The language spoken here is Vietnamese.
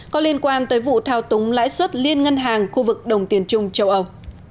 có liên quan tới vụ thao túng lãi suất liên ngân hàng khu vực đồng tiền trung châu âu